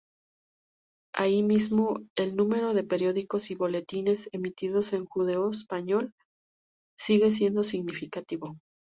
Ahí mismo, el número de periódicos y boletines emitidos en judeoespañol sigue siendo significativo.